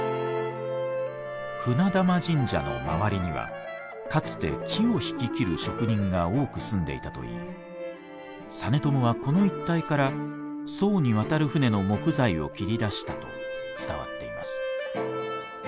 船玉神社の周りにはかつて木をひき切る職人が多く住んでいたといい実朝はこの一帯から宋に渡る船の木材を切り出したと伝わっています。